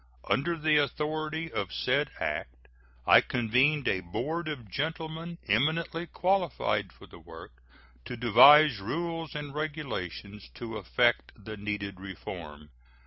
Under the authority of said act I convened a board of gentlemen eminently qualified for the work to devise rules and regulations to effect the needed reform.